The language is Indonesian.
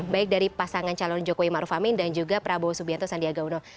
baik dari pasangan calon jokowi maruf amin dan juga prabowo subianto sandiaga uno